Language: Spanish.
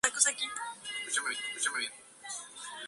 Llegaría a alcanzar el rango de general de división.